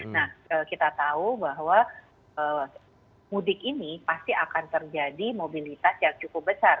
nah kita tahu bahwa mudik ini pasti akan terjadi mobilitas yang cukup besar